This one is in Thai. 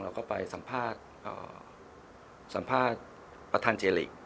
เราก็ไปสัมภาษณ์สัมภาษณ์ประธานเจริก